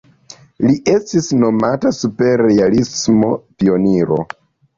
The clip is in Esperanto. Li estis nomita "superrealisma pioniro".